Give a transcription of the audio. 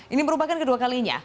ini merupakan kedua kalinya